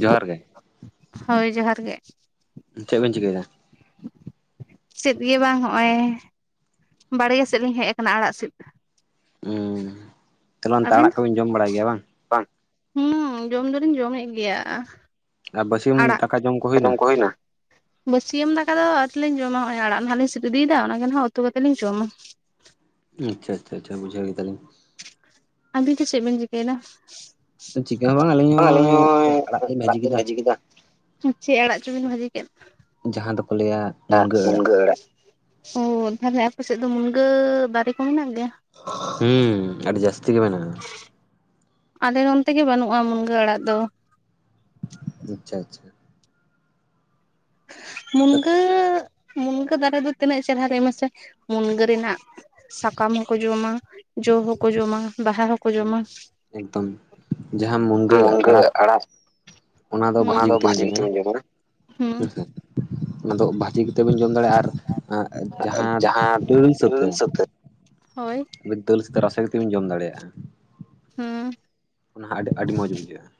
ᱡᱚᱦᱟᱨ ᱜᱮ ᱦᱳᱭ ᱡᱚᱦᱟᱨ ᱜᱮ᱾ ᱪᱮᱜ ᱵᱤᱱ ᱪᱤᱠᱟᱹᱭ ᱫᱟ? ᱪᱮᱫ ᱜᱮ ᱵᱟᱝ, ᱦᱚᱸᱜᱼᱚᱭ ᱵᱟᱲᱜᱮ ᱥᱮᱫ ᱞᱤᱧ ᱦᱮᱡ ᱠᱟᱱᱟ ᱟᱲᱟᱜ ᱥᱤᱫ᱾ ᱚᱸᱻ᱾ ᱟᱹᱵᱤᱱ ᱵᱟᱝ ᱦᱩᱸ ᱡᱚᱢ ᱫᱚᱞᱤᱧ ᱡᱚᱢᱮᱜ ᱜᱮᱭᱟ᱾ ᱟᱲᱟᱜ, ᱫᱟᱠᱟ ᱡᱚᱢ ᱠᱚ ᱦᱳᱭᱱᱟ᱾ ᱵᱟᱹᱥᱭᱟᱹᱢ ᱫᱟᱠᱟ ᱫᱚ ᱟᱣᱨᱤᱞᱤᱧ ᱡᱚᱢᱟ᱾ ᱦᱚᱜᱼᱚᱭ ᱟᱲᱟᱜ ᱞᱟᱦᱟ ᱞᱤᱧ ᱥᱤᱫ ᱤᱫᱤᱭᱫᱟ ᱚᱱᱟᱜᱮ ᱱᱟᱦᱟᱜ ᱩᱛᱩ ᱠᱟᱛᱮ ᱞᱤᱧ ᱡᱚᱢᱟ᱾ ᱟᱪᱪᱷᱟ ᱟᱪᱪᱷᱟ ᱟᱪᱪᱷᱟ ᱵᱩᱡᱷᱟᱹᱣ ᱠᱮᱫᱟᱞᱤᱧ ᱾ ᱟᱹᱵᱤᱱ ᱫᱚ ᱪᱮᱜ ᱵᱤᱱ ᱪᱤᱠᱟᱹᱭᱫᱟ? ᱟᱹᱞᱤᱧ ᱦᱚᱸ ᱱᱚᱜᱼᱚᱭ ᱟᱲᱟᱜ ᱞᱤᱧ ᱵᱷᱟᱹᱡᱤ ᱠᱮᱫᱟ ᱾ ᱪᱮᱜ ᱟᱲᱟᱜ ᱪᱚᱵᱤᱱ ᱵᱷᱟᱹᱡᱤ ᱠᱮᱫ? ᱡᱟᱦᱟᱸ ᱫᱚᱠᱚ ᱞᱮᱭᱟ ᱴᱟᱜ ᱢᱩᱱᱜᱟᱹ ᱟᱲᱟᱜ, ᱚᱸ ᱛᱟᱦᱞᱮ ᱟᱯᱮ ᱥᱮᱫ ᱫᱚ ᱢᱩᱱᱜᱟᱹ ᱫᱟᱨᱮ ᱠᱚ ᱢᱮᱱᱟᱜ ᱜᱮᱭᱟ? ᱦᱩᱸ ᱟᱹᱰᱤ ᱡᱟᱹᱥᱛᱤ ᱜᱮ ᱢᱮᱱᱟᱜᱼᱟ ᱾ ᱟᱞᱮ ᱱᱚᱱᱛᱮ ᱜᱮ ᱵᱟᱹᱱᱩᱜᱼᱟ ᱢᱩᱱᱜᱟᱹ ᱟᱲᱟᱜ ᱫᱚ ᱟᱪᱪᱷᱟ ᱟᱪᱪᱷᱟ ᱢᱩᱱᱜᱟᱹ ᱢᱩᱱᱜᱟᱹ ᱫᱟᱨᱮ ᱫᱚ ᱛᱤᱱᱟᱹᱜ ᱪᱮᱨᱦᱟ ᱨᱮᱢᱮ ᱥᱮ ᱢᱩᱱᱜᱟᱹ ᱨᱮᱱᱟᱜ ᱥᱟᱠᱟᱢ ᱦᱚᱠᱚ ᱡᱚᱢᱟ ᱡᱚ ᱦᱚᱸᱠᱚ ᱡᱚᱢᱟ ᱵᱟᱦᱟ ᱦᱚᱸ ᱠᱚ ᱡᱚᱢᱟ ᱢᱩᱱᱜᱟᱹ ᱟᱲᱟᱜ ᱚᱱᱟ ᱫᱚ ᱵᱷᱟᱡᱤ ᱠᱟᱛᱮᱜ ᱵᱤᱱ ᱡᱚᱢᱟ, ᱦᱩᱸ ᱚᱱᱟ ᱫᱚ ᱵᱷᱟᱹᱡᱤ ᱠᱟᱛᱮ ᱵᱤᱱ ᱡᱚᱢ ᱫᱟᱲᱮᱭᱟᱜᱼᱟ ᱟᱨ ᱡᱟᱦᱟᱸ ᱰᱟᱹᱞ ᱥᱟᱹᱛᱮ ᱦᱳᱭ ᱫᱟᱹᱞ ᱥᱟᱛᱮ ᱨᱟᱥᱮ ᱠᱟᱛᱮᱜ ᱵᱤᱱ ᱡᱚᱢ ᱫᱟᱲᱮᱭᱟᱜᱼᱟ ᱾ ᱦᱩᱸ ᱚᱱᱟ ᱦᱚᱸ ᱟᱹᱰᱤ ᱟᱹᱰᱤ ᱢᱚᱡᱽ ᱵᱩᱡᱷᱟᱹᱜᱼᱟ ᱾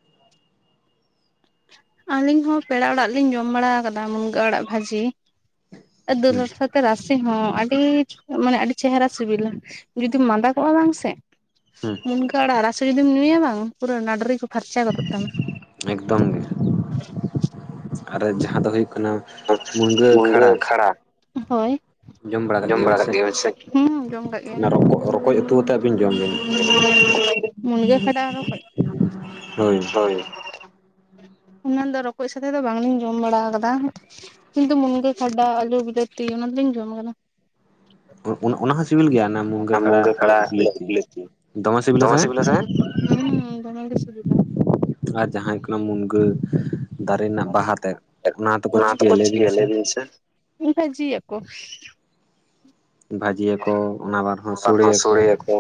ᱟᱹᱞᱤᱧ ᱦᱚᱸ ᱯᱮᱲᱟ ᱚᱲᱟᱜ ᱞᱤᱧ ᱡᱚᱢ ᱵᱟᱲᱟ ᱠᱟᱫᱟ ᱢᱩᱱᱜᱟᱹ ᱟᱲᱟᱜ ᱵᱷᱟᱹᱡᱤ ᱟᱨ ᱫᱟᱹᱞ ᱨᱟᱥᱮ ᱨᱟᱥᱮ ᱦᱚᱸ ᱟᱹᱰᱤ ᱢᱟᱱᱮ ᱟᱹᱰᱤ ᱪᱮᱦᱨᱟ ᱥᱤᱵᱤᱞᱟ ᱡᱩᱫᱤᱢ ᱢᱟᱸᱫᱟ ᱠᱚᱜᱼᱟ ᱵᱟᱝ ᱥᱮ, ᱢᱩᱱᱠᱟᱹ ᱟᱲᱟᱜ ᱨᱟᱥᱮ ᱡᱩᱫᱤᱢ ᱧᱩᱭᱟ ᱵᱟᱝ ᱯᱩᱨᱟᱹ ᱱᱟᱸᱰᱨᱤ ᱠᱚ ᱯᱷᱟᱨᱪᱟ ᱜᱚᱫᱚᱜ ᱛᱟᱢᱟ ᱾ ᱮᱠᱫᱚᱢ ᱜᱮ ᱾ [inaudible] ᱟᱨᱮ ᱡᱟᱦᱟᱸ ᱫᱚ ᱦᱩᱭᱩᱜ ᱠᱟᱱᱟ ᱾ ᱢᱩᱱᱜᱟᱹ ᱠᱷᱟᱲᱟ, ᱦᱚᱭ ᱡᱚᱢ ᱵᱟᱲᱟ ᱠᱟᱜ ᱜᱮᱭᱟ ᱵᱤᱱ ᱥᱮ? ᱦᱩᱸ ᱡᱚᱢ ᱠᱟᱜ ᱜᱮᱭᱟ ᱞᱤᱧ ᱾ ᱨᱚᱠᱚᱡ ᱩᱛᱩ ᱠᱟᱛᱮᱫ ᱟᱹᱵᱤᱱ ᱡᱚᱢ ᱵᱤᱱ ᱢᱩᱱᱜᱟᱹ ᱠᱷᱟᱰᱟ ᱟᱨ ᱨᱚᱠᱚᱡ, ᱦᱩᱸ ᱚᱱᱟ ᱫᱚ ᱨᱚᱠᱚᱡ ᱥᱟᱛᱮ ᱫᱚ ᱵᱟᱝᱞᱤᱧ ᱡᱚᱢ ᱵᱟᱲᱟ ᱠᱟᱫᱟ ᱾ ᱠᱤᱱᱛᱩ ᱢᱩᱱᱜᱟᱹ ᱠᱷᱟᱰᱟ ᱟᱹᱞᱩ ᱵᱤᱞᱟᱹᱛᱤ ᱚᱱᱟ ᱫᱚᱞᱤᱧ ᱡᱚᱢ ᱟᱠᱟᱫᱟ᱾ ᱚᱸ ᱚᱱᱟ ᱦᱚᱸ ᱥᱤᱵᱤᱞ ᱜᱮᱭᱟ ᱚᱱᱟ ᱢᱩᱱᱜᱟᱹ ᱠᱷᱟᱲᱟ ᱟᱸᱞᱮ ᱵᱤᱞᱟᱹᱛᱤ ᱫᱚᱢᱮ ᱥᱤᱵᱤᱞᱟ ᱥᱮ, ᱦᱩᱸᱻ ᱫᱚᱢᱮ ᱜᱮ ᱥᱤᱵᱤᱞᱟ ᱾ ᱟᱨ ᱡᱟᱦᱟᱸᱭ ᱠᱟᱱᱟ ᱢᱩᱱᱜᱟᱹ ᱫᱟᱨᱮ ᱨᱮᱱᱟᱜ ᱵᱟᱦᱟ ᱛᱮᱫ ᱚᱱᱟ ᱛᱮᱠᱚ ᱪᱤᱠᱟᱹᱭᱟ ᱞᱟᱹᱭ ᱵᱤᱱ ᱥᱮ ᱵᱷᱟᱹᱡᱤ ᱟᱠᱚ ᱾ ᱵᱷᱟᱹᱡᱤᱭ ᱟᱠᱚ ᱟᱨ ᱦᱚᱸ ᱥᱚᱲᱮᱭ ᱟᱠᱚ,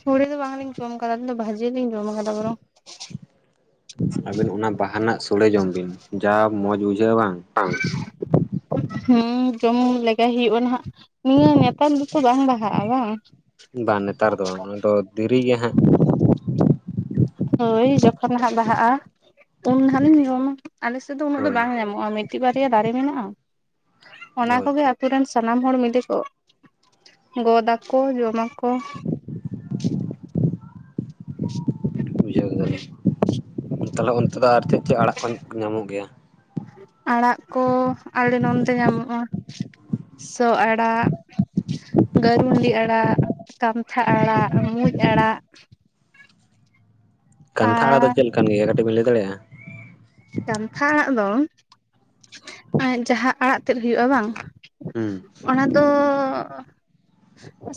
ᱥᱚᱲᱮ ᱫᱚ ᱵᱟᱝᱞᱤᱧ ᱡᱚᱢ ᱠᱟᱫᱟ ᱟᱹᱞᱤᱧ ᱫᱚ ᱵᱷᱟᱹᱡᱤ ᱞᱤᱧ ᱡᱚᱢ ᱟᱠᱟᱫᱟ ᱵᱚᱨᱚᱢ ᱾ ᱟᱹᱵᱤᱱ ᱚᱱᱟ ᱵᱟᱦᱟ ᱨᱮᱱᱟᱜ ᱥᱳᱲᱮ ᱡᱚᱢ ᱵᱤᱱ ᱡᱟ ᱢᱚᱡᱽ ᱵᱩᱡᱷᱟᱹᱜᱼᱟ ᱵᱟᱝ, ᱵᱟᱝ ᱦᱮᱸ ᱡᱚᱢ ᱞᱮᱜᱟᱭ ᱦᱩᱭᱩᱜᱼᱟ ᱱᱟᱜ ᱱᱤᱭᱟᱹ ᱱᱮᱛᱟᱨ ᱫᱚᱛᱚ ᱵᱟᱝ ᱵᱟᱦᱟᱜᱼᱟ ᱵᱟᱝ ᱾ ᱵᱟᱝ ᱱᱮᱛᱟᱨ ᱫᱚ ᱵᱟᱝ ᱚᱱᱟᱫᱚ ᱫᱤᱨᱤ ᱜᱮ ᱦᱟᱸᱜ ᱦᱳᱭ ᱡᱚᱠᱷᱚᱱ ᱦᱟᱸᱜ ᱵᱟᱦᱟᱜᱼᱟ ᱩᱱ ᱱᱟᱜ ᱞᱤᱧ ᱡᱚᱢᱟ ᱟᱞᱮᱥᱮᱫ ᱫᱚ ᱩᱱᱟᱹᱜ ᱫᱚ ᱵᱟᱝ ᱧᱟᱢᱚᱜ ᱢᱤᱫᱴᱤᱡ ᱵᱟᱨᱭᱟ ᱫᱟᱨᱮ ᱢᱮᱱᱟᱜᱼᱟ ᱚᱱᱟ ᱠᱚᱜᱮ ᱟᱹᱛᱩᱨᱮᱱ, ᱥᱟᱱᱟᱢ ᱦᱚᱲ ᱢᱤᱞᱮ ᱠᱚ ᱜᱚᱫ ᱟᱠᱚ ᱡᱚᱢ ᱟᱠᱚ ᱾ [inaudible] ᱵᱩᱡᱷᱟᱹᱣ ᱠᱮᱫᱟᱞᱤᱧ ᱛᱟᱦᱚᱞᱮ ᱚᱱᱛᱮ ᱫᱚ ᱟᱨ ᱪᱮᱫ ᱪᱮᱫ ᱟᱲᱟᱜ ᱠᱚ ᱧᱟᱢᱚᱜ ᱜᱮᱭᱟ? ᱟᱲᱟᱜ ᱠᱚ ᱟᱞᱮ ᱱᱚᱱᱛᱮ ᱧᱟᱢᱚᱜᱼᱟ ᱾ ᱥᱚ ᱟᱲᱟᱜ ᱜᱟᱹᱨᱩᱱᱰᱤ ᱟᱲᱟᱜ, ᱠᱟᱱᱛᱷᱟ ᱟᱲᱟᱜ, ᱢᱩᱸᱡ ᱟᱲᱟᱜ, ᱠᱟᱱᱛᱷᱟ ᱟᱲᱟᱜ ᱫᱚ ᱪᱮᱫ ᱞᱮᱠᱟᱱ ᱜᱮᱭᱟ ᱠᱟᱹᱴᱤᱡ ᱵᱤᱱ ᱞᱟᱹᱭ ᱫᱟᱲᱮᱭᱟᱜᱼᱟ ᱾ ᱠᱟᱱᱛᱷᱟ ᱟᱲᱟᱜ ᱫᱚ ᱡᱟᱦᱟᱸ ᱟᱲᱟᱜ ᱛᱮᱫ ᱦᱩᱭᱩᱜᱼᱟ ᱾ ᱵᱟᱝ ᱦᱩᱸ ᱛᱚ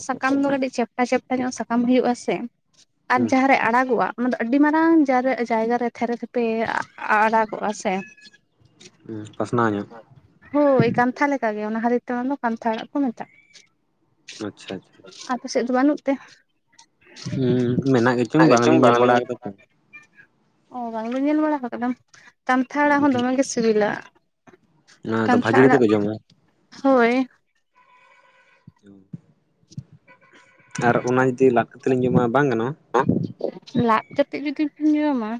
ᱥᱟᱠᱟᱢ ᱫᱚ ᱠᱟᱹᱴᱤᱡ ᱪᱮᱯᱴᱟ ᱪᱮᱯᱴᱟ ᱧᱚᱜ ᱥᱟᱠᱟᱢ ᱦᱩᱭᱩᱜᱼᱟ ᱥᱮ ᱟᱨ ᱡᱟᱦᱟᱸᱨᱮ ᱟᱲᱟᱜᱚᱜᱼᱟ ᱚᱱᱟ ᱫᱚ ᱟᱹᱰᱤ ᱢᱟᱨᱟᱝ ᱡᱟᱭᱜᱟ ᱨᱮ ᱛᱷᱮᱨᱮ ᱛᱷᱮᱯᱮ ᱟᱲᱟᱜᱚᱜᱼᱟ ᱥᱮ ᱯᱟᱥᱱᱟᱣ ᱧᱚᱜ ᱦᱳᱭ ᱠᱟᱱᱛᱷᱟ ᱞᱮᱠᱟᱜᱮ ᱚᱱᱟ ᱠᱷᱟᱹᱛᱤᱨ ᱛᱮ ᱚᱱᱟ ᱫᱚ ᱠᱟᱱᱛᱷᱟ ᱟᱲᱟᱜ ᱠᱚ ᱢᱮᱛᱟᱜᱼᱟ᱾ ᱟᱯᱮ ᱥᱮᱫ ᱫᱚ ᱵᱟᱹᱱᱩᱜ ᱛᱮ ᱦᱩᱸ ᱢᱮᱱᱟᱜ ᱜᱮᱪᱚᱝ ᱵᱟᱝᱞᱤᱧ ᱧᱮᱞ ᱵᱟᱲᱟ ᱠᱟᱫᱟ ᱛᱚ ᱚ ᱵᱟᱝ ᱵᱤᱱ ᱧᱮᱞ ᱵᱟᱲᱟ ᱠᱟᱫᱟ ᱠᱟᱱᱛᱷᱟ ᱟᱲᱟᱜ ᱦᱚᱸ ᱫᱚᱢᱮ ᱜᱮ ᱥᱤᱵᱤᱞᱟ᱾ ᱠᱟᱱᱛᱷᱟ ᱟᱲᱟᱜ ᱦᱳᱭ ᱡᱚᱢ ᱟᱨ ᱚᱱᱟ ᱡᱩᱫᱤ ᱞᱟᱫ ᱠᱟᱛᱮ ᱞᱤᱧ ᱡᱚᱢᱟ ᱵᱟᱝ ᱜᱟᱱᱚᱜᱼᱟ ᱞᱟᱫ ᱠᱟᱛᱮᱫ ᱡᱩᱫᱤ ᱵᱤᱱ ᱡᱚᱢᱟ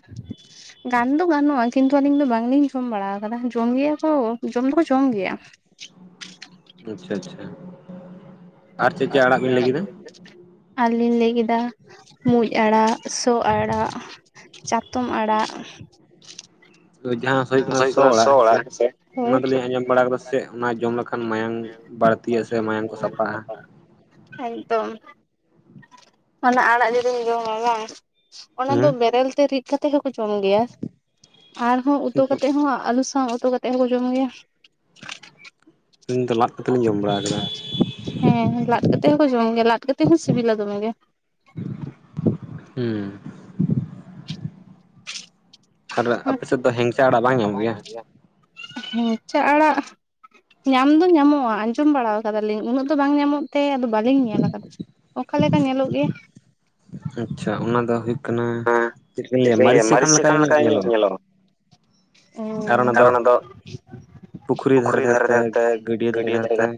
ᱜᱟᱱ ᱫᱚ ᱜᱟᱱᱚᱜᱼᱟ ᱠᱤᱱᱛᱩ ᱟᱹᱞᱤᱧ ᱫᱚ ᱵᱟᱝᱞᱤᱧ ᱡᱚᱢ ᱵᱟᱲᱟ ᱠᱟᱫᱟ ᱡᱚᱢ ᱜᱮᱭᱟ ᱠᱚ ᱡᱚᱢ ᱫᱚᱠᱚ ᱡᱚᱢ ᱜᱮᱭᱟ᱾ ᱟᱪᱪᱷᱟ ᱟᱪᱪᱷᱟ ᱟᱨ ᱪᱮᱫ ᱪᱮᱫ ᱟᱲᱟᱜ ᱵᱤᱱ ᱞᱟᱹᱭ ᱟᱨ ᱞᱤᱧ ᱞᱟᱹᱭ ᱠᱮᱫᱟ ᱢᱩᱸᱡ ᱟᱲᱟᱜ ᱥᱚ ᱟᱲᱟᱜ ᱪᱟ ᱛᱚᱢ ᱟᱲᱟᱜ ᱡᱟᱦᱟᱸ ᱦᱩᱭᱩᱜ ᱠᱟᱱᱟ ᱥᱚ ᱚᱲᱟᱜ ᱦᱮᱸᱥᱮ ᱚᱱᱟ ᱫᱚᱞᱤᱧ ᱟᱸᱡᱚᱢ ᱵᱟᱲᱟ ᱠᱟᱫᱟ ᱪᱮᱫ ᱚᱱᱟ ᱡᱚᱢ ᱞᱮᱠᱷᱟᱱ ᱢᱟᱭᱟᱢ ᱵᱟᱹᱲᱛᱤᱜᱼᱟ ᱥᱮ ᱢᱟᱭᱟᱢ ᱠᱚ ᱥᱟᱯᱷᱟᱜᱼᱟ᱾ ᱮᱠᱫᱚᱢ ᱚᱱᱟ ᱟᱲᱟᱜ ᱡᱩᱫᱤᱢ ᱡᱚᱢᱟ ᱵᱟᱝ ᱚᱱᱟ ᱫᱚ ᱵᱮᱨᱮᱞ ᱛᱮ ᱨᱤᱫ ᱠᱟᱛᱮ ᱦᱚᱸᱠᱚ ᱡᱚᱢ ᱜᱮᱭᱟ ᱟᱨᱦᱚᱸ ᱩᱛᱩ ᱠᱟᱛᱮ ᱦᱚᱸ ᱟᱹᱞᱩ ᱥᱟᱶ ᱩᱛᱩ ᱠᱟᱛᱮ ᱦᱚᱸᱠᱚ ᱡᱚᱢ ᱜᱮᱭᱟ ᱟᱹᱞᱤᱧ ᱫᱚ ᱞᱟᱫ ᱠᱟᱛᱮᱫ ᱞᱤᱧ ᱡᱚᱢ ᱵᱟᱲᱟ ᱠᱟᱫᱟ ᱦᱮᱸ ᱞᱟᱫ ᱠᱟᱛᱮ ᱦᱚᱸᱠᱚ ᱡᱚᱢ ᱜᱮᱭᱟ ᱞᱟᱫ ᱠᱟᱛᱮ ᱦᱚᱸ ᱥᱤᱵᱤᱞᱟ ᱫᱚᱢᱮ ᱜᱮ ᱦᱩᱸ ᱟᱨ ᱟᱯᱮ ᱥᱮᱫ ᱫᱚ ᱦᱮᱝᱪᱟ ᱟᱲᱟᱜ ᱵᱟᱝ ᱧᱟᱢᱚᱜ ᱜᱮᱭᱟ ᱦᱮᱸᱜᱪᱟ ᱟᱲᱟᱜ ᱧᱟᱢ ᱫᱚ ᱧᱟᱢᱚᱜᱼᱟ ᱟᱸᱡᱚᱢ ᱵᱟᱲᱟ ᱟᱠᱟᱫᱟᱞᱤᱧ ᱩᱱᱟᱹᱜ ᱫᱚ ᱵᱟᱝ ᱧᱟᱢᱚᱜ ᱛᱮ ᱵᱟᱹᱞᱤᱧ ᱧᱮᱞ ᱠᱟᱫᱟ ᱚᱠᱟ ᱞᱮᱠᱟ ᱧᱮᱞᱚᱜ ᱜᱮᱭᱟ ᱟᱪᱪᱷᱟ ᱚᱱᱟ ᱫᱚ ᱦᱩᱭᱩᱜ ᱠᱟᱱᱟ ᱪᱮᱫᱞᱤᱧ ᱞᱟᱹᱭᱟ ᱢᱟᱨᱤᱪ ᱥᱟᱠᱟᱢ ᱞᱮᱠᱟ ᱧᱚᱜ ᱧᱮᱞᱚᱜ ᱧᱮᱞᱚᱜ ᱟ ᱚ ᱟᱨ ᱚᱱᱟ ᱫᱚ ᱯᱩᱠᱷᱩᱨᱤ ᱫᱷᱟᱨᱮ ᱫᱷᱟᱨᱮ ᱛᱮ ᱜᱟᱹᱰᱭᱟᱹ ᱫᱷᱟᱨᱮ ᱜᱟᱰᱟ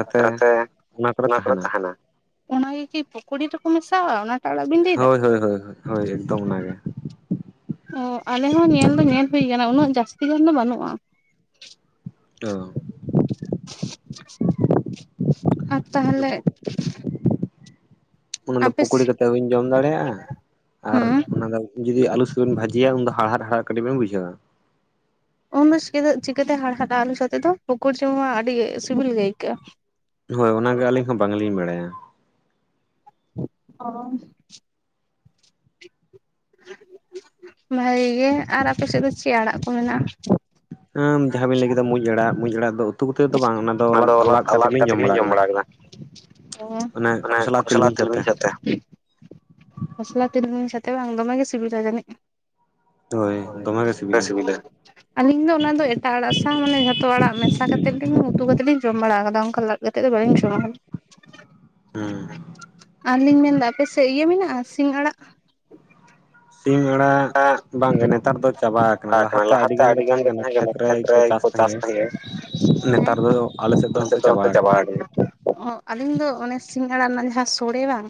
ᱫᱷᱟᱨᱮ ᱫᱷᱟᱨᱮ ᱛᱮ ᱚᱱᱟ ᱠᱚᱨᱮ ᱛᱟᱦᱮᱱᱟ ᱚᱱᱟ ᱜᱮᱠᱤ ᱯᱚᱠᱚᱲᱤ ᱨᱚᱠᱚ ᱢᱮᱥᱟᱜᱼᱟ ᱚᱱᱟ ᱦᱳᱭ ᱦᱳᱭ ᱦᱚᱭ ᱦᱚᱭ ᱦᱚᱭ ᱮᱠᱫᱚᱢ ᱚᱱᱟᱜᱮ ᱚ ᱟᱞᱮ ᱦᱚᱸ ᱧᱮᱞ ᱫᱚ ᱧᱮᱞ ᱦᱩᱭ ᱠᱟᱱᱟ ᱩᱱᱟᱹᱜ ᱡᱟᱹᱥᱛᱤ ᱜᱟᱱ ᱫᱚ ᱵᱟᱹᱱᱩᱜᱼᱟ ᱚ ᱟᱨ ᱛᱟᱦᱚᱞᱮ ᱚᱱᱟ ᱫᱚ ᱯᱩᱠᱩᱲᱤ ᱠᱟᱛᱮᱜ ᱦᱚᱸ ᱵᱤᱱ ᱡᱚᱢ ᱫᱟᱲᱮᱭᱟᱜᱼᱟ ᱟᱨ ᱚᱱᱟ ᱫᱚ ᱡᱩᱫᱤ ᱟᱞᱩ ᱥᱟᱞᱟᱜ ᱵᱤᱱ ᱵᱷᱟᱡᱤᱭᱟ ᱩᱱ ᱫᱚ ᱦᱟᱲᱦᱟᱫ ᱦᱟᱲᱦᱟᱫ ᱠᱟᱴᱤᱡ ᱵᱮᱱ ᱵᱩᱡᱷᱟᱹᱣᱟ ᱩᱱᱫᱚ ᱪᱤᱠᱟᱹ ᱪᱤᱠᱟᱹᱛᱮ ᱦᱟᱲᱦᱟᱫᱼᱟ ᱟᱞᱩ ᱥᱟᱛᱮᱜ ᱫᱚ ᱯᱚᱠᱳᱲᱤ ᱡᱚᱢ ᱢᱟ ᱟᱹᱰᱤ ᱥᱤᱵᱤᱞ ᱜᱮ ᱟᱹᱭᱠᱟᱹᱜᱼᱟ ᱦᱳᱭ ᱚᱱᱟᱜᱮ ᱟᱹᱞᱤᱧ ᱦᱚᱸ ᱵᱟᱝᱞᱤᱧ ᱵᱟᱲᱟᱭᱟ ᱚᱸ ᱵᱷᱟᱜᱤ ᱜᱮ ᱟᱨ ᱟᱯᱮ ᱥᱮᱫ ᱫᱚ ᱪᱮᱫ ᱟᱲᱟᱜ ᱠᱚ ᱢᱮᱱᱟᱜᱼᱟ ᱡᱟᱦᱟᱸ ᱵᱤᱱ ᱞᱟᱹᱭ ᱠᱮᱫᱟ ᱢᱩᱸᱡ ᱟᱲᱟᱜ ᱢᱩᱸᱡ ᱟᱲᱟᱜ ᱫᱚ ᱩᱛᱩ ᱠᱚᱛᱮᱫ ᱫᱚ ᱵᱟᱝ ᱚᱱᱟ ᱫᱚ ᱞᱟᱫ ᱡᱟᱛᱮᱫ ᱜᱮᱞᱤᱧ ᱡᱚᱢ ᱵᱟᱲᱟ ᱟᱠᱫᱟ ᱚᱱᱮ ᱠᱷᱚᱥᱞᱟ ᱛᱤᱞᱢᱤᱧ ᱥᱟᱛᱮᱜ ᱠᱷᱚᱥᱞᱟ ᱛᱤᱞᱢᱤᱧ ᱥᱟᱛᱮ ᱵᱟᱝ ᱫᱚᱢᱮᱜᱮ ᱥᱤᱵᱤᱞᱟ ᱡᱟᱹᱱᱤᱡ ᱦᱳᱭ ᱟᱹᱰᱤ ᱥᱤᱵᱤᱞᱟ ᱟᱹᱞᱤᱧ ᱫᱚ ᱚᱱᱟ ᱫᱚ [unintelligible] ᱟᱲᱟᱜ ᱥᱟᱶ ᱢᱟᱱᱮ ᱡᱷᱚᱛᱚ ᱟᱲᱟᱜ ᱢᱮᱥᱟ ᱠᱟᱛᱮ ᱞᱤᱧ ᱩᱛᱩ ᱠᱟᱛᱮᱫ ᱞᱤᱧ ᱡᱚᱢ ᱵᱟᱲᱟ ᱠᱟᱫᱟ ᱚᱱᱠᱟ ᱞᱟ ᱠᱟᱛᱮ ᱫᱚ ᱵᱟᱞᱤᱧ ᱡᱚᱢᱟ ᱟᱨᱞᱤᱧ ᱢᱮᱱᱫᱟ ᱟᱯᱮ ᱥᱮᱫ ᱤᱭᱟᱹ ᱢᱮᱱᱟᱜᱼᱟ ᱥᱤᱸᱧ ᱟᱲᱟᱜ? ᱥᱤᱧ ᱟᱲᱟᱜ ᱵᱟᱝᱜᱮ ᱱᱮᱛᱟᱨ ᱫᱚ ᱪᱟᱵᱟ ᱟᱠᱟᱱᱟ ᱞᱟᱦᱟᱛᱮ ᱟᱹᱰᱤ ᱜᱟᱱ ᱜᱮ ᱛᱟᱦᱮᱸ ᱠᱟᱱᱟ ᱠᱷᱮᱛ ᱨᱮ ᱠᱚ ᱪᱟᱥ ᱛᱟᱦᱮᱸᱟᱸ ᱾ ᱱᱮᱛᱟᱨ ᱫᱚ ᱟᱞᱮ ᱥᱮᱫ ᱫᱚ ᱱᱚᱛᱮ ᱪᱟᱵᱟ ᱠᱟᱱᱟ ᱾ ᱚ ᱟᱹᱞᱤᱧ ᱫᱚ ᱚᱱᱮ ᱥᱤᱸᱜ ᱟᱲᱟᱜ ᱨᱮᱱᱟᱜ ᱡᱟᱦᱟᱸ ᱥᱳᱲᱮ ᱵᱟᱝ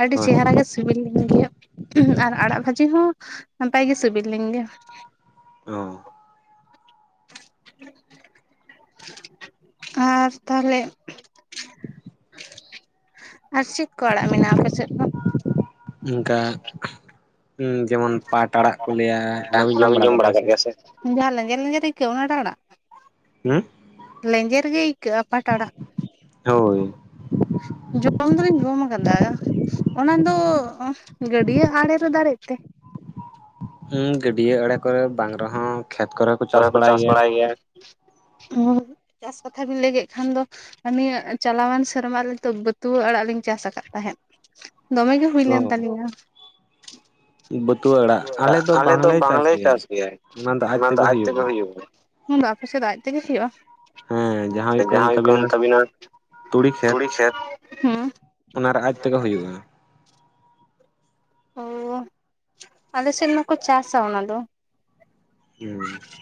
ᱟᱹᱰᱤ ᱪᱮᱦᱟᱨᱟ ᱜᱮ ᱥᱤᱵᱤᱞ ᱞᱤᱧ ᱜᱮᱭᱟ ᱟᱨ ᱟᱲᱟᱜ ᱵᱷᱟᱹᱡᱤ ᱦᱚᱸ ᱱᱟᱯᱟᱭ ᱜᱮ ᱥᱤᱵᱤᱞ ᱞᱤᱧ ᱜᱮᱭᱟ ᱾ ᱚᱸ ᱟᱨ ᱛᱟᱦᱞᱮ ᱟᱨ ᱪᱮᱫ ᱠᱚ ᱟᱲᱟᱜ ᱢᱮᱱᱟᱜᱼᱟ ᱟᱯᱮ ᱥᱮᱫ ᱫᱚ? ᱚᱱᱠᱟ ᱡᱮᱢᱚᱱ ᱯᱟᱴ ᱟᱲᱟᱜ ᱠᱚ ᱞᱟᱹᱭᱟ, ᱚᱱᱟ ᱵᱮᱱ ᱡᱚᱢ ᱵᱟᱲᱟ ᱠᱟᱜ ᱜᱮᱭᱟ ᱥᱮ? ᱡᱟᱦᱟ ᱧᱮᱡᱮᱨ ᱧᱮᱡᱮᱨ ᱟᱹᱭᱠᱟᱹᱜ ᱚᱱᱟ ᱴᱟᱜ ᱟᱲᱟᱜ? ᱞᱮᱸᱡᱮᱨ ᱜᱮ ᱟᱹᱭᱠᱟᱹᱜᱼᱟ ᱯᱟᱴ ᱟᱲᱟᱜ ᱾ ᱦᱳᱭ ᱡᱚᱢ ᱫᱚᱞᱤᱧ ᱡᱚᱢ ᱠᱟᱫᱟ ᱾ ᱚᱱᱟ ᱫᱚ ᱜᱟᱹᱰᱭᱟᱹ ᱟᱲᱮ ᱨᱮ ᱫᱟᱲᱮᱜ ᱛᱮ? ᱜᱟᱹᱰᱭᱟᱹ ᱟᱲᱮ ᱠᱚᱨᱮ ᱵᱟᱝ ᱨᱮᱦᱚᱸ ᱠᱷᱮᱛ ᱠᱚᱨᱮ ᱾ ᱠᱚᱨᱮ ᱠᱚ ᱪᱟᱥ ᱵᱟᱲᱟᱭ ᱜᱮᱭᱟ ᱾ ᱪᱟᱥ ᱠᱟᱛᱷᱟ ᱵᱤᱱ ᱞᱟᱹᱭ ᱠᱮᱫ ᱠᱷᱟᱱ ᱫᱚ ᱟᱹᱞᱤ ᱪᱟᱞᱟᱣᱮᱱ ᱥᱮᱨᱢᱟ ᱟᱞᱮᱛᱚ ᱵᱟᱹᱛᱩᱣᱟᱹ ᱟᱲᱟᱜ ᱞᱤᱧ ᱪᱟᱥ ᱟᱠᱟᱫ ᱛᱟᱦᱮᱸᱫ ᱫᱚᱢᱮ ᱦᱩᱭ ᱞᱮᱱ ᱛᱟᱞᱤᱧᱟ ᱾ ᱵᱟᱹᱛᱣᱟᱹ ᱟᱲᱟᱜ ᱟᱞᱮ ᱫᱚ ᱵᱟᱝᱞᱮ ᱪᱟᱥ ᱜᱮᱭᱟ ᱚᱱᱟ ᱫᱚ ᱟᱡ [unintelligible] ᱚᱱᱟᱫᱚ ᱟᱯᱮᱥᱮᱡ ᱫᱚ ᱟᱡ ᱛᱮᱜᱮᱧ ᱦᱩᱭᱩᱜᱼᱟ? ᱦᱮ ᱡᱟᱦᱟᱸ ᱦᱩᱭᱩᱜ ᱠᱟᱱ ᱛᱟᱵᱤᱱᱟ ᱛᱩᱲᱤ ᱠᱷᱮᱛ᱾ ᱦᱩᱸ ᱾ ᱚᱱᱟ ᱨᱮ ᱟᱡ ᱛᱮᱜᱮ ᱦᱩᱭᱩᱜᱼᱟ ᱾ ᱚ, ᱟᱞᱮᱥᱮᱱ ᱢᱟᱠᱚ ᱪᱟᱥᱟ ᱚᱱᱟ ᱫᱚ ᱾ ᱦᱩᱸ ᱾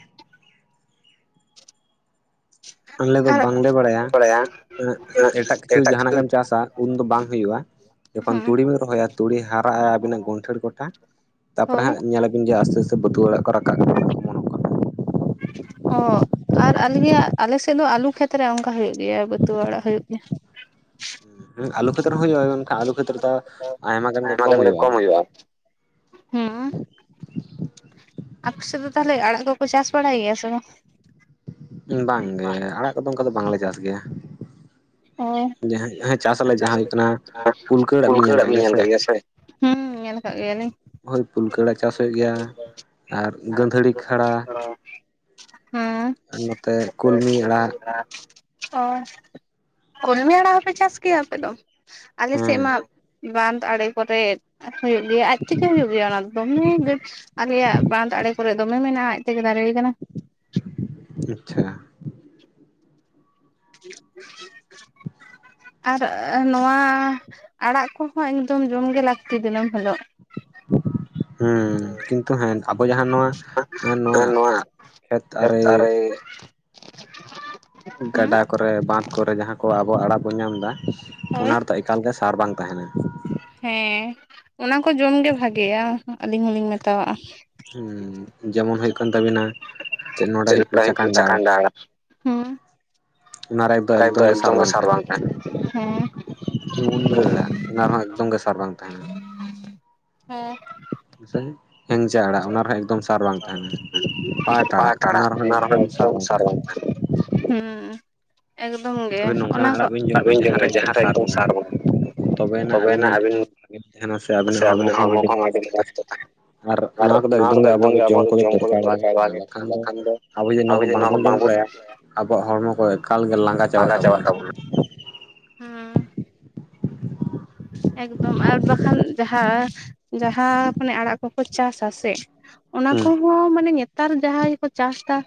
ᱟᱞᱮ ᱫᱚ ᱵᱟᱝᱞᱮ ᱵᱟᱲᱟᱭᱟ ᱮᱴᱟᱜ ᱮᱸᱜ ᱠᱤᱪᱷᱩ ᱡᱟᱦᱟᱸᱱᱟᱜ ᱜᱮᱢ ᱪᱟᱥᱟ ᱩᱱ ᱫᱚ ᱵᱟᱝ ᱦᱩᱭᱩᱜᱼᱟ ᱾ ᱡᱚᱠᱷᱚᱱ ᱛᱩᱲᱤ ᱵᱤᱱ ᱨᱚᱦᱚᱭᱟ ᱛᱩᱲᱤ ᱦᱟᱨᱟᱜᱼᱟ ᱟᱹᱵᱤᱱᱟᱜ ᱜᱚᱱᱴᱷᱮᱲ ᱠᱚᱴᱟ ᱛᱟᱨᱯᱚᱨᱮ ᱦᱟᱸᱜ ᱧᱮᱞᱟᱵᱤᱱ ᱡᱮ ᱟᱥᱛᱮ ᱟᱥᱛᱮ ᱵᱟᱹᱛᱩᱣᱟ ᱚᱲᱟᱜ ᱠᱚ ᱨᱟᱠᱟᱵ [inaudible] ᱜᱮ ᱚᱢᱚᱱᱚᱜ ᱠᱟᱱᱟ ᱾ ᱚ ᱾ ᱟᱨ ᱟᱞᱤᱧᱟᱜ, ᱟᱞᱮ ᱥᱮᱫ ᱫᱚ ᱟᱞᱩ ᱠᱷᱮᱛᱨᱮ ᱚᱱᱠᱟ ᱦᱩᱭᱩᱜ ᱜᱮᱭᱟ ᱵᱟᱛᱩᱣᱟᱹ ᱚᱲᱟᱜ ᱦᱩᱭᱩᱜ ᱜᱮᱭᱟ ᱾ ᱦᱮᱸ ᱟᱞᱩ ᱠᱷᱮᱛᱨᱮ ᱦᱚᱸ ᱦᱩᱭᱩᱜᱼᱟ, ᱢᱮᱱᱠᱷᱟᱱ ᱟᱞᱩ ᱠᱷᱮᱛᱨᱮ ᱛᱚ ᱟᱭᱢᱟ ᱜᱟᱱ ᱜᱮ ᱠᱚᱢ ᱦᱩᱭᱩᱜᱼᱟ ᱾ ᱦᱩᱸ ᱟᱯᱮ ᱥᱮᱫ ᱫᱚ ᱛᱟᱦᱚᱞᱮ ᱟᱲᱟᱜ ᱠᱚᱠᱚ ᱪᱟᱥ ᱵᱟᱲᱟᱭ ᱜᱮᱭᱟ ᱥᱮ ᱵᱟᱝ? ᱵᱟᱝᱜᱮ ᱟᱲᱟᱜ ᱠᱚᱫᱚ ᱚᱱᱠᱟ ᱫᱚ ᱵᱟᱝᱞᱮ ᱪᱟᱥ ᱜᱮᱭᱟ ᱾ ᱦᱮᱸ, ᱪᱟᱥ [unintelligible] ᱯᱩᱞᱠᱟᱹ ᱟᱲᱟᱜ ᱵᱮᱱ ᱧᱮᱞ ᱟᱠᱟᱫ ᱜᱮᱭᱟ ᱥᱮ? ᱦᱩᱸ, ᱧᱮᱞ ᱠᱟᱜ ᱜᱮᱭᱟᱞᱤᱧ ᱾ ᱦᱳᱭ, ᱯᱩᱞᱠᱟᱹᱟᱲᱟᱜ ᱪᱟᱥ ᱦᱩᱭᱩᱜ ᱜᱮᱭᱟ ᱟᱨ ᱜᱟᱹᱫᱷᱟᱹᱲᱤ ᱠᱷᱟᱲᱟ ᱾ ᱦᱩᱸ ᱾ ᱟᱨ ᱱᱚᱛᱮ ᱠᱩᱞᱢᱤ ᱟᱲᱟᱜ ᱾ [inaudible] ᱚ ᱾ ᱠᱚᱞᱢᱤ ᱟᱲᱟᱜ ᱦᱚᱸᱯᱮ ᱪᱟᱥ ᱜᱮᱭᱟ ᱟᱯᱮ ᱫᱚ? ᱟᱞᱮ ᱥᱮᱫ ᱢᱟ ᱵᱟᱸᱫᱽ ᱟᱲᱮ ᱠᱚᱨᱮ ᱦᱩᱭᱩᱜ ᱜᱮᱭᱟ ᱾ ᱟᱡ ᱛᱮᱜᱮ ᱦᱩᱭᱩᱜ ᱜᱮᱭᱟ ᱚᱱᱟ ᱫᱚᱢᱮ ᱜᱮᱯᱥ ᱟᱞᱮᱭᱟᱜ ᱵᱟᱸᱫ ᱟᱲᱮ ᱠᱚᱨᱮ ᱫᱚᱢᱮ ᱢᱮᱱᱟᱜᱼᱟ ᱟᱡ ᱛᱮᱜᱮ ᱫᱟᱨᱮ ᱠᱟᱱᱟ ᱾ ᱟᱪᱪᱷᱟ ᱾ ᱟᱨ ᱱᱚᱣᱟ ᱟᱲᱟᱜ ᱠᱚᱦᱚᱸ ᱮᱠᱫᱚᱢ ᱡᱚᱢ ᱜᱮ ᱞᱟᱹᱠᱛᱤ ᱫᱤᱱᱟᱹᱢ ᱦᱤᱞᱳᱜ ᱾ ᱦᱩᱸ, ᱠᱤᱱᱛᱩ ᱦᱮᱸ ᱟᱵᱚ ᱡᱟᱦᱟᱸ ᱱᱚᱣᱟ ᱱᱚᱣᱟ ᱠᱷᱮᱛ ᱟᱲᱮ ᱜᱟᱰᱟ ᱠᱚᱨᱮ ᱵᱟᱸᱫᱷ ᱠᱚᱨᱮ ᱡᱟᱦᱟᱸ ᱠᱚ ᱟᱵᱚᱣᱟᱜ ᱟᱲᱟᱜ ᱠᱚ ᱧᱟᱢᱫᱟ ᱾ ᱚᱱᱟ ᱨᱮᱫᱚ ᱮᱠᱟᱞ ᱜᱮ ᱥᱟᱨ ᱵᱟᱝ ᱛᱟᱦᱮᱱᱟ ᱾ ᱦᱮᱸ, ᱚᱱᱟ ᱠᱚ ᱡᱚᱢ ᱜᱮ ᱵᱷᱟᱜᱮᱭᱟ ᱟᱹᱞᱤᱧ ᱦᱚᱞᱤᱧ ᱢᱮᱛᱟᱣᱟᱜᱼᱟ ᱾ ᱦᱩᱸ, ᱡᱮᱢᱚᱱ ᱦᱩᱭᱩᱜ ᱠᱟᱱ ᱛᱟᱵᱤᱱᱟ ᱪᱮᱫ ᱱᱚᱰᱮ ᱦᱩᱭᱩᱜ ᱠᱟᱱᱟ ᱪᱟᱠᱟᱱᱰᱟ ᱟᱲᱟᱜ ᱾ ᱦᱩᱸ ᱾ ᱮ ᱮᱠᱫᱚᱢ ᱜᱮ ᱥᱟᱨ ᱵᱟᱝ ᱛᱟᱦᱮᱱᱟ ᱾ ᱢᱩᱱᱜᱟᱹ ᱟᱲᱟ ᱱᱚᱣᱟ ᱨᱮᱦᱚᱸ ᱮᱠᱫᱚᱢ ᱜᱮ ᱥᱟᱨ ᱵᱟᱝ ᱛᱟᱦᱮᱱᱟ ᱾ ᱦᱥᱟᱭ [unintelligible] ᱦᱮᱱᱪᱟ ᱟᱲᱟᱜ ᱚᱱᱟ ᱨᱮᱦᱚᱸ ᱮᱠᱫᱚᱢ ᱥᱟᱨ ᱵᱟᱝ ᱛᱟᱦᱮᱱᱟ ᱯᱟᱴ ᱟᱲᱟᱜ ᱚᱱᱟ ᱨᱮᱦᱚᱸ ᱮᱠᱫᱚᱢ ᱥᱟᱨ ᱵᱟᱝ ᱛᱟᱦᱮᱱᱟ ᱾ ᱦᱩᱸ ᱾ ᱮᱠᱫᱚᱢ ᱜᱮ ᱚᱱᱟ ᱠᱚ ᱫᱚ, ᱡᱚᱢᱟ ᱡᱟᱦᱟᱸᱨᱮ ᱮᱠᱫᱚᱢ ᱥᱟᱨ ᱵᱟᱝ ᱵᱚ ᱛᱚᱵᱮᱭᱮᱱᱟᱜ ᱟᱹᱵᱤᱱ [inaudible] ᱥᱮ ᱟᱹᱵᱤᱱᱟᱜ ᱦᱚᱲᱢᱚ ᱠᱚᱦᱚᱸ ᱟᱹᱰᱤᱱ ᱢᱚᱡ ᱛᱮ ᱛᱟᱦᱮᱱᱟ ᱾ ᱟᱨ ᱱᱚᱣᱟ ᱠᱚᱫᱚ ᱮᱠᱫᱚᱢ ᱜᱮ ᱟᱵᱚᱣᱟᱜ ᱫᱚ ᱡᱚᱢ ᱠᱚᱫᱚ ᱫᱚᱨᱠᱟᱨ ᱵᱟᱝ ᱜᱮ ᱠᱟᱱᱟ ᱵᱟᱠᱷᱟᱱ ᱫᱚ᱾ ᱟᱵᱚ ᱡᱮ ᱱᱚᱣᱟ ᱠᱚ ᱵᱟᱝᱵᱩ ᱟᱵᱚᱣᱟᱜ ᱦᱚᱲᱢᱚ ᱠᱚ ᱮᱠᱟᱞ ᱜᱮ ᱞᱟᱸᱜᱟ ᱪᱟ ᱞᱟᱸᱜᱟ ᱪᱟᱵᱟ ᱛᱟᱵᱚᱱᱟ᱾ ᱦᱩᱸ ᱮᱠᱫᱚᱢ ᱟᱨ ᱵᱟᱠᱷᱟᱱ ᱡᱟᱦᱟᱸ ᱡᱟᱦᱟᱸ ᱟᱯᱱᱮ ᱟᱲᱟᱜ ᱠᱚᱠᱚ ᱪᱟᱥ ᱟᱥᱮ ᱚᱱᱟᱠᱩ ᱦᱚ ᱢᱟᱱᱮ ᱱᱮᱛᱟᱨ ᱡᱟᱦᱟᱸᱭ ᱜᱮᱠᱚ ᱪᱟᱥ ᱮᱫᱟ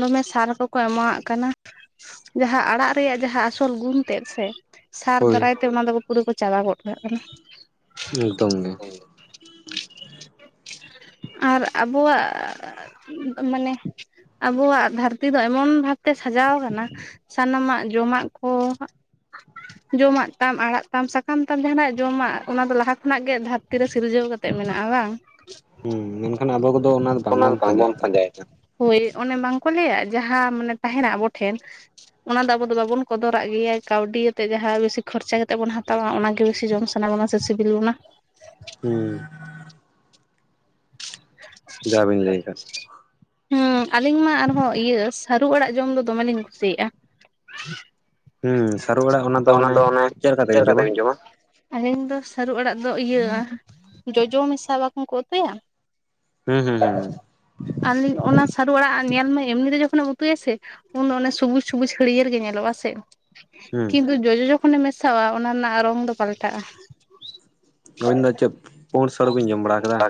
ᱫᱚᱢᱮ ᱥᱟᱨ ᱠᱚᱠᱚ ᱮᱢᱟᱣᱟᱜ ᱠᱟᱱᱟ ᱾ ᱡᱟᱦᱟᱸ ᱟᱲᱟᱜ ᱨᱮᱭᱟᱜ ᱡᱟᱦᱟᱸ ᱟᱥᱚᱞ ᱜᱩᱱ ᱛᱮᱫ ᱥᱮ ᱥᱟᱨ ᱫᱟᱨᱟᱭ ᱛᱮ ᱚᱱᱟ ᱫᱚ ᱯᱩᱨᱟᱹ ᱠᱚ ᱪᱟᱵᱟ ᱜᱚᱫ ᱠᱟᱜ ᱠᱟᱱᱟ ᱾ ᱮᱠᱫᱚᱢ ᱜᱮ ᱾ ᱟᱨ ᱟᱵᱚᱣᱟᱜ ᱢᱟᱱᱮ ᱟᱵᱚᱣᱟᱜ ᱫᱷᱟᱹᱨᱛᱤ ᱫᱚ ᱮᱢᱚᱱ ᱵᱷᱟᱵᱛᱮ ᱥᱟᱡᱟᱣ ᱠᱟᱱᱟ᱾ ᱥᱟᱱᱟᱢᱟᱜ ᱡᱚᱢᱟᱜ ᱠᱚ ᱡᱚᱢᱟᱜ ᱛᱟᱢ ᱟᱲᱟᱜ ᱛᱟᱢ ᱥᱟᱠᱟᱢ? ᱥᱟᱠᱟᱢ ᱛᱟᱢ ᱡᱟᱦᱱᱟᱜ ᱡᱚᱢᱟᱜ ᱚᱱᱟ ᱫᱚ ᱞᱟᱦᱟ ᱠᱷᱚᱱᱟᱜ ᱜᱮ ᱫᱷᱟᱹᱨᱛᱤ ᱨᱮ ᱥᱤᱨᱡᱟᱹᱣ ᱠᱟᱛᱮ ᱢᱮᱱᱟᱜᱼᱟ ᱵᱟᱝ ᱦᱩᱸ ᱢᱮᱱᱠᱷᱟᱱ ᱟᱵᱚ ᱠᱚᱫᱚ ᱚᱱᱟ ᱫᱚ ᱵᱟᱝᱵᱚᱱ ᱯᱟᱸᱡᱟᱭ ᱮᱫᱟ᱾ ᱦᱳᱭ ᱚᱱᱮ ᱵᱟᱝᱠᱚ ᱞᱟᱹᱭᱟ ᱡᱟᱸᱦᱟ ᱢᱟᱱᱮ ᱛᱟᱦᱮᱸᱱᱟ ᱟᱹᱵᱚ ᱴᱷᱮᱱ᱾ ᱚᱱᱟ ᱫᱚ ᱟᱵᱚ ᱫᱚ ᱵᱟᱵᱚᱱ ᱠᱚᱫᱚᱨᱟᱜ ᱜᱮᱭᱟ ᱠᱟᱹᱣᱰᱤ ᱭᱟᱛᱮᱫ ᱡᱟᱸᱦᱟ ᱵᱤᱥᱤ ᱠᱷᱚᱨᱪᱟ ᱠᱟᱛᱮ ᱵᱚᱱ ᱦᱟᱛᱟᱣ-ᱟ᱾ ᱛᱟ ᱚᱱᱟᱜᱮ ᱵᱮᱥᱤ ᱡᱚᱢ ᱥᱟᱱᱟ ᱵᱚᱱᱟ ᱥᱮ ᱥᱤᱵᱤᱞ ᱵᱚᱱᱟ᱾ ᱦᱩᱸ ᱜᱟᱝ [unintelligible] ᱦᱟᱸ ᱟᱞᱤᱧ ᱢᱟ ᱟᱨᱦᱚᱸ ᱤᱭᱟ ᱥᱟᱹᱨᱩ ᱟᱲᱟᱜ ᱡᱚᱢ ᱫᱚ ᱫᱚᱢᱮᱞᱤᱧ ᱠᱩᱥᱤᱭᱟᱜᱼᱟ᱾ ᱚᱱᱟ ᱫᱚ ᱚᱱᱮ ᱪᱮᱫᱞᱮᱠᱟ ᱠᱟᱛᱮᱵᱤᱱ ᱡᱚᱢᱟ᱾ ᱟᱹᱞᱤᱧ ᱫᱚ ᱥᱟᱹᱨᱩ ᱟᱲᱟᱜ ᱫᱚ ᱤᱭᱟᱹ ᱡᱚᱡᱚ ᱢᱮᱥᱟ ᱵᱟᱝᱠᱚ ᱠᱚ ᱩᱛᱩᱭᱟ᱾ ᱦᱩᱸ ᱦᱩᱸ ᱦᱩᱩᱸ ᱟᱞᱤᱧ ᱚᱱᱟ ᱥᱟᱹᱨᱩ ᱟᱲᱟᱜ ᱧᱮᱞ ᱢᱮ ᱮᱢᱱᱤ ᱛᱮ ᱡᱚᱠᱷᱚᱱ ᱮᱢ ᱩᱛᱩᱭᱟ ᱥᱮ ᱩᱱ ᱚᱱᱮ ᱥᱩᱵᱩᱡ ᱥᱩᱵᱩᱡ ᱦᱟᱹᱲᱨᱭᱟᱹᱲ ᱜᱮ ᱧᱮᱞᱚᱜᱼᱟ ᱥᱮ ᱠᱤᱱᱛᱩ ᱡᱚᱡᱚ ᱡᱚᱠᱷᱚᱱᱮᱢ ᱢᱮᱥᱟᱣᱟᱜᱟ ᱚᱱᱟ ᱨᱮᱱᱟᱜ ᱨᱚᱝ ᱫᱚ ᱯᱟᱞᱴᱟᱜᱼᱟ᱾ ᱟᱹᱵᱤᱱ ᱫᱚ ᱪᱮᱫ ᱯᱳᱸᱲ ᱥᱟᱹᱲᱩ ᱵᱤᱱ ᱡᱚᱢ ᱵᱟᱲᱟ ᱟᱠᱟᱫ-ᱟ?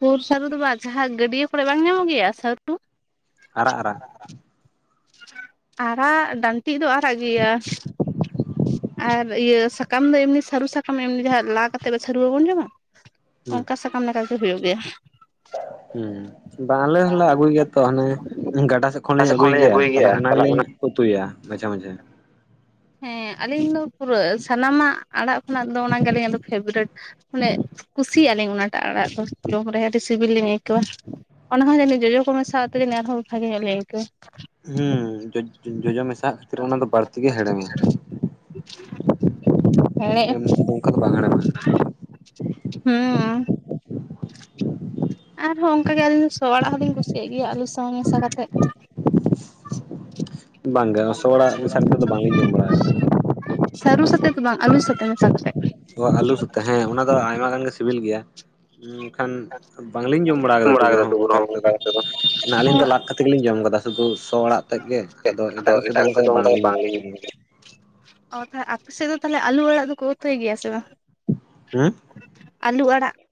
ᱯᱳᱨ ᱥᱟᱹᱨᱩ ᱫᱚ ᱵᱟᱝ ᱡᱟᱸᱦᱟ ᱜᱟᱹᱰᱭᱟᱹ ᱠᱚᱨᱮ ᱵᱟᱝ ᱧᱟᱢᱚᱜ ᱜᱮᱭᱟ ᱥᱟᱹᱨᱩ᱾ ᱟᱨᱟᱜ ᱟᱨᱟᱜ᱾ ᱟᱨᱟᱜ ᱰᱟᱹᱱᱴᱤ ᱫᱚ ᱟᱨᱟᱜ ᱜᱮᱭᱟ᱾ ᱟᱨ ᱤᱭᱟᱹ ᱥᱟᱠᱟᱢ ᱫᱚ ᱮᱢᱱᱤ ᱥᱟᱹᱨᱩ ᱥᱟᱠᱟᱢ ᱮᱢᱱᱤ ᱡᱟᱸᱦᱟ ᱞᱟ ᱠᱟᱛᱮᱫ ᱥᱟᱹᱨᱩ ᱵᱟᱵᱚᱱ ᱡᱚᱢ ᱟ᱾ ᱚᱱᱠᱟ ᱥᱟᱠᱟᱢ ᱞᱮᱠᱟᱜᱮ ᱦᱩᱭᱩᱜ ᱜᱮᱭᱟ᱾ ᱦᱩᱸ ᱵᱟᱝ ᱟᱞᱮ ᱦᱚᱞᱮ ᱟᱹᱜᱩᱭ ᱜᱮᱭᱟ ᱛᱚ ᱦᱟᱱᱮ ᱜᱟᱰᱟ ᱥᱮᱫ ᱠᱷᱚᱱᱞᱤᱧ ᱟᱹᱜᱩᱭ ᱜᱮᱭᱟ ᱛᱟᱦᱚᱞᱮ ᱚᱱᱟ ᱜᱮᱞᱤᱧ ᱩᱛᱩᱭᱟ ᱢᱟᱹᱡᱷᱮ ᱢᱟᱹᱡᱷᱮ᱾ ᱦᱮᱸ ᱟᱹᱞᱤᱧ ᱫᱚ ᱯᱩᱨᱟᱹ ᱥᱟᱱᱟᱢᱟᱜ ᱟᱲᱟᱜ ᱠᱷᱚᱱᱟᱜ ᱫᱚ ᱚᱱᱟ ᱜᱮ ᱟᱹᱞᱤᱧ ᱟᱫᱚ ᱯᱷᱮᱵᱨᱮᱴ᱾ ᱢᱟᱱᱮ ᱠᱩᱥᱤᱭᱟᱜ ᱞᱤᱧ ᱚᱱᱟᱴᱟᱜ ᱟᱲᱟᱜ ᱫᱚ ᱡᱚᱢ ᱨᱮ ᱟᱹᱰᱤ ᱥᱤᱵᱤᱞ ᱞᱤᱧ ᱟᱹᱭᱠᱟᱹᱣᱟ᱾ ᱚᱱᱟ ᱦᱚᱸ ᱡᱟᱱᱤᱡ ᱡᱚᱡᱚ ᱠᱚ ᱢᱮᱥᱟ ᱛᱮ ᱟᱨᱦᱚᱸ ᱵᱷᱟᱜᱮ ᱧᱚᱜ ᱞᱮᱧ ᱟᱹᱭᱠᱟᱹᱣᱟ ᱦᱩᱸᱢ ᱡᱚ ᱡᱚᱡᱚ ᱢᱮᱥᱟ ᱠᱷᱟᱹᱛᱤᱨ ᱚᱱᱟ ᱫᱚ ᱵᱟᱹᱲᱛᱤ ᱜᱮ ᱦᱮᱲᱮᱢᱟ ᱚᱱᱠᱟ ᱫᱚ ᱵᱟᱝ ᱦᱮᱲᱮᱢᱟ ᱦᱩᱸᱢᱻ ᱟᱨᱦᱚᱸ ᱚᱱᱠ ᱜᱮ ᱟᱹᱞᱤᱧ ᱫᱚ ᱥᱚ ᱟᱲᱟᱜ ᱦᱚᱸᱞᱤᱧ ᱠᱩᱥᱤᱭᱟᱜ ᱜᱮᱭᱟ ᱟᱞᱩ ᱥᱟᱶ ᱢᱮᱥᱟ ᱠᱟᱛᱮᱫ ᱵᱟᱝ ᱜᱮ ᱥᱚ ᱟᱲᱟᱜ ᱢᱮᱥᱟ ᱠᱟᱛᱮᱫ ᱫᱚ ᱵᱟᱝᱞᱤᱧ ᱡᱚᱢ ᱵᱟᱲᱟ ᱟᱠᱟᱫ ᱾ ᱥᱟᱹᱨᱩ ᱥᱟᱛᱮ ᱫᱚ ᱵᱟᱝ ᱟᱹᱞᱩ ᱥᱟᱛᱮ ᱢᱮᱥᱟ ᱠᱟᱛᱮ ᱚ ᱟᱞᱩ ᱥᱩᱟᱛᱮ ᱦᱮᱸ ᱚᱱᱟ ᱫᱚ ᱟᱭᱢᱟ ᱜᱟᱱ ᱜᱮ ᱥᱤᱵᱤᱞ ᱜᱮᱭᱟ ᱢᱮᱱᱠᱷᱟᱱ ᱵᱟᱝᱞᱤᱧ ᱡᱚᱢ ᱵᱟᱲᱟ ᱟᱠᱟᱫᱟ ᱛᱩᱵᱩ ᱨᱮᱦᱚᱸ ᱚᱱᱠᱟ ᱠᱟᱛᱮᱫ ᱫᱚ ᱟᱹᱞᱤᱧ ᱫᱚ ᱞᱟᱫ ᱠᱟᱛᱮ ᱜᱮᱞᱤᱧ ᱡᱚᱢ ᱟᱠᱟᱫ -ᱟ᱾ ᱥᱩᱫᱷᱩ ᱥᱚ ᱟᱲᱟᱜ ᱛᱮᱫ ᱜᱮ ᱟᱫᱚ ᱮᱴᱟᱜ ᱠᱟᱛᱮᱫ ᱫᱚ ᱚᱱᱠᱟ ᱫᱚ ᱵᱟᱝᱞᱤᱧ ᱤᱭᱟ ᱚ ᱛᱟᱦᱮ ᱟᱯᱮ ᱥᱮᱫ ᱫᱚ ᱛᱟᱦᱞᱮ ᱟᱞᱩ ᱟᱲᱟᱜ ᱫᱚᱠᱚ ᱩᱛᱩᱭ ᱜᱮᱭᱟ ᱥᱮ ᱵᱟᱝ? ᱦᱩᱸ ᱟᱹᱞᱩ ᱟᱲᱟᱜ